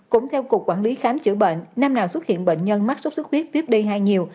cũng theo cục quản lý khám chữa bệnh năm nào xuất hiện bệnh nhân mắc sốt sức huyết tuyếp d hai nhiều